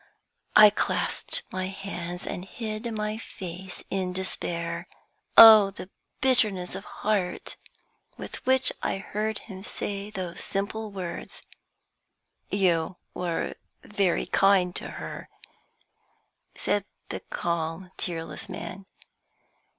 I clasped my hands and hid my face in despair. Oh, the bitterness of heart with which I heard him say those simple words! "You were very kind to her," said the calm, tearless man.